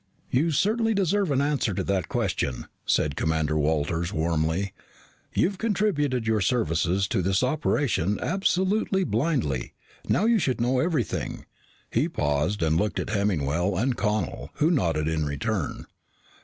"You certainly deserve an answer to that question," said Commander Walters warmly. "You've contributed your services to this operation absolutely blindly. Now you should know everything." He paused and looked at Hemmingwell and Connel, who nodded in return.